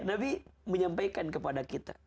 nabi menyampaikan kepada kita